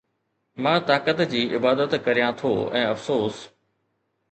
مان طاقت جي عبادت ڪريان ٿو ۽ افسوس